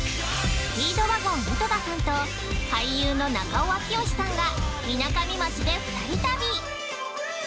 ◆スピードワゴン・井戸田さんと俳優の中尾明慶さんがみなかみ町で２人旅。